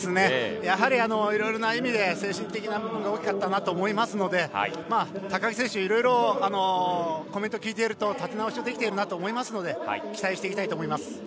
やはり、いろいろな意味で精神的な部分が大きかったと思いますので高木選手はいろいろコメントを聞いていると立て直しができているなと思いますので期待していきたいと思います。